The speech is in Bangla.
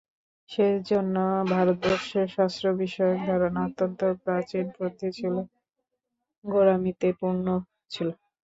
সেজন্য ভারতবর্ষে শাস্ত্রবিষয়ক ধারণা অত্যন্ত প্রাচীনপন্থী ছিল, গোঁড়ামিতে পূর্ণ ছিল।